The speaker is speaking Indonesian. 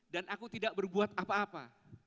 dan aku tidak berbuat apa apa